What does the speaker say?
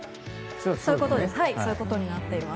そういうことになっています。